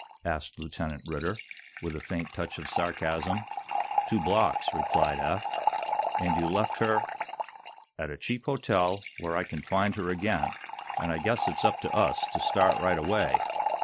asked the Lieutenant Ridder, with a faint touch of sarcasm. "Two blocks," replied Eph. "And you left her " "At a cheap hotel where I can find her again. And I guess it's up to us to start right away."